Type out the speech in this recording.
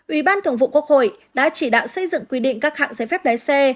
ủy ban thường vụ quốc hội đã chỉ đạo xây dựng quy định các hạng giấy phép lái xe